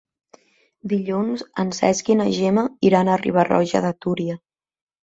Dilluns en Cesc i na Gemma iran a Riba-roja de Túria.